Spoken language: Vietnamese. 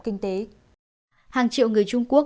kinh tế hàng triệu người trung quốc